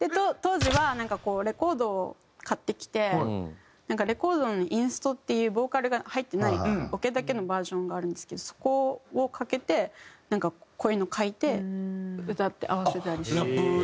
当時はなんかこうレコードを買ってきてレコードにインストっていうボーカルが入ってないオケだけのバージョンがあるんですけどそこをかけてなんかこういうの書いて歌って合わせたりして。